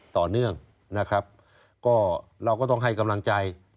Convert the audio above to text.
ต่อเนื่องเราก็ต้องให้กำลังใจ